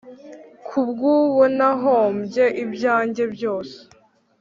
Ku bw'uwo nahombye ibyanjye byose,